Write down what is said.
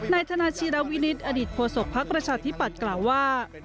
นายธนาชีรวินิตอดิตโพสกพรรคประชาธิปัตธ์กล่าวว่า